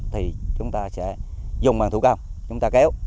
thì chúng ta sẽ dùng bằng thủ công chúng ta kéo